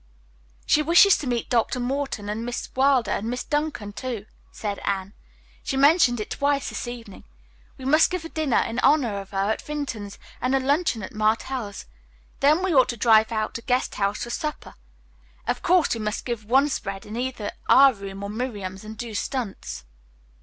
"She wishes to meet Dr. Morton and Miss Wilder and Miss Duncan, too," said Anne. "She mentioned it twice this evening. We must give a dinner in honor of her at Vinton's, and a luncheon at Martell's. Then we ought to drive out to Guest House for supper. Of course, we must give one spread in either our room or Miriam's and do stunts."